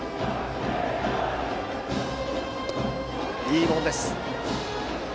いいボールです。